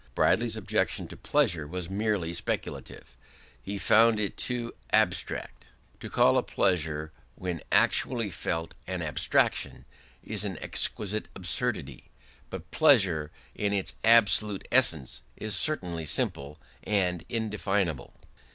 Bradley's objection to pleasure was merely speculative: he found it too "abstract". To call a pleasure when actually felt an abstraction is an exquisite absurdity: but pleasure, in its absolute essence, is certainly simple and indefinable.